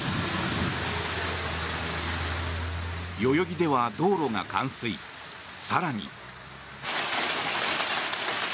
代々木では道路が冠水更に。